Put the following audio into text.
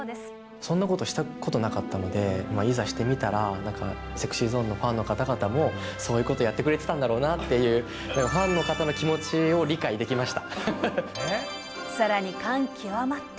そんなことしたことなかったので、いざしてみたら、なんかＳｅｘｙＺｏｎｅのファンの方々も、そういうことやってくれてたんだろうなっていう、ファンの方の気さらに感極まって。